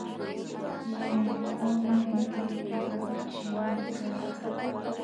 Yayakuna yuyay pakchimi karka